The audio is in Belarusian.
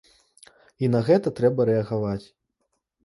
І на гэта трэба рэагаваць.